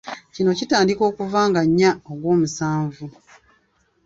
Kino kitandika okuva nga nnya ogw'omusanvu.